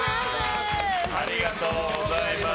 ありがとうございます。